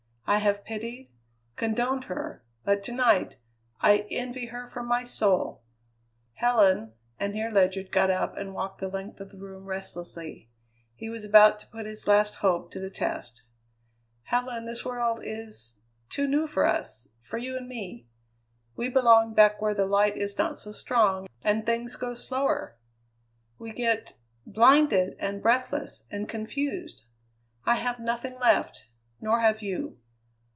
I have pitied, condoned her, but to night I envy her from my soul!" "Helen" and here Ledyard got up and walked the length of the room restlessly; he was about to put his last hope to the test "Helen, this world is too new for us; for you and me. We belong back where the light is not so strong and things go slower! We get blinded and breathless and confused. I have nothing left, nor have you.